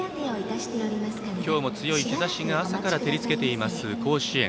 今日も強い日ざしが朝から照り付けています甲子園。